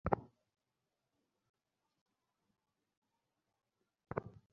আমার পায়ের নিচে ছিলো।